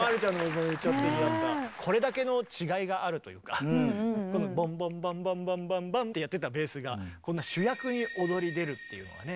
これだけの違いがあるというかこのボンボンバンバンバンバンバンってやってたベースがこんな主役に躍り出るっていうのはね